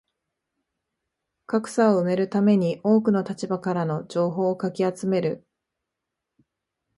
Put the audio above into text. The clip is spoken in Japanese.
格差を埋めるために多くの立場からの情報をかき集める